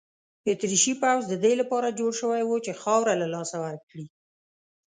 اتریشي پوځ د دې لپاره جوړ شوی وو چې خاوره له لاسه ورکړي.